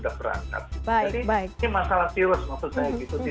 tidak bisa kita jelaskan